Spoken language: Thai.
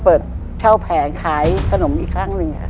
เปิดเช่าแผงขายขนมอีกครั้งด้วย